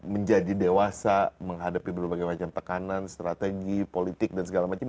menjadi dewasa menghadapi berbagai macam tekanan strategi politik dan segala macam